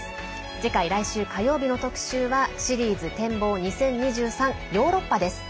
次回、来週火曜日の特集はシリーズ展望２０２３ヨーロッパです。